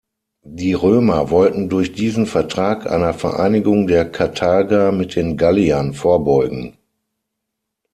Die Römer wollten durch diesen Vertrag einer Vereinigung der Karthager mit den Galliern vorbeugen.